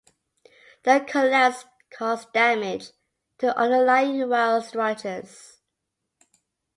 The collapse caused damage to underlying well structures.